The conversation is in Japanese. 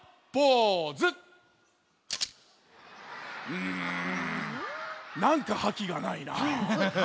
うんなんかはきがないなあ。